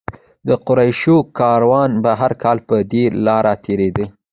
د قریشو کاروان به هر کال پر دې لاره تېرېده.